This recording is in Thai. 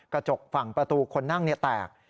กระจกฝั่งประตูคนนั่งแตก